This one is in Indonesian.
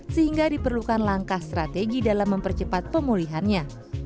sehingga diperlukan langkah strategi dalam mempercepat pemulihannya